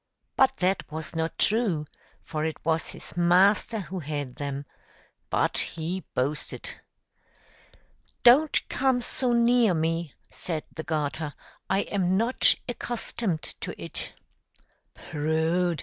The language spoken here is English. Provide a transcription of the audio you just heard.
But that was not true, for it was his master who had them: but he boasted. "Don't come so near me," said the garter: "I am not accustomed to it." "Prude!"